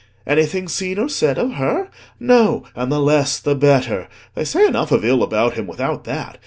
Anything seen or said of her? No; and the less the better. They say enough of ill about him without that.